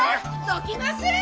どきません！